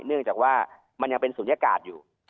เนื่องจากว่ามันยังเป็นศูนยากาศอยู่